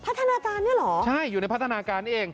พัฒนาการเนี่ยเหรอใช่อยู่ในพัฒนาการนี้เอง